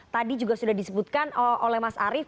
tadi juga sudah disebutkan oleh mas arief